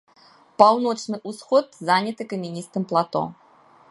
Паўночны ўсход заняты камяністым плато.